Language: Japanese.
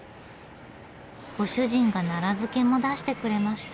ご主人がなら漬も出してくれました。